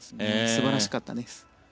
素晴らしかったです。